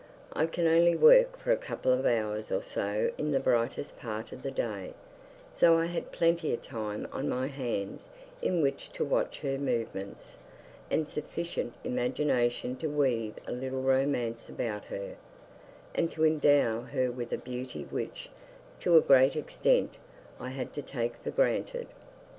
I can only work for a couple of hours or so in the brightest part of the day, so I had plenty of time on my hands in which to watch her movements, and sufficient imagination to weave a little romance about her, and to endow her with a beauty which, to a great extent, I had to take for granted.